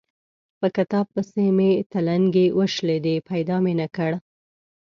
په کتاب پسې مې تلنګې وشلېدې؛ پيدا مې نه کړ.